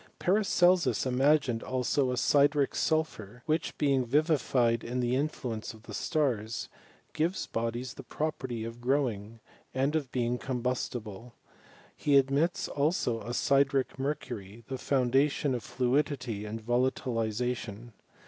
Paracelsus imagined also a sideric sulphury which being vivified by the influence of the stars, gives bodies' the property of growing, and of being combustible. He admits also a sideric mercury, the foundation of fluidity and volatilization.